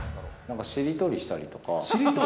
しりとりしたりとか。